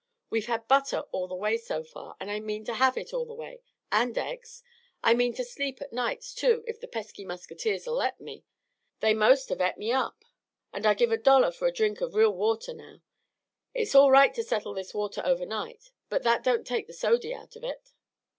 We've had butter all the way so far, and I mean to have it all the way and eggs. I mean to sleep at nights, too, if the pesky muskeeters'll let me. They most have et me up. And I'd give a dollar for a drink of real water now. It's all right to settle this water overnight, but that don't take the sody out of it.